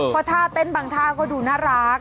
เพราะท่าเต้นบางท่าก็ดูน่ารัก